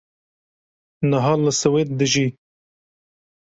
niha li Swêd dijî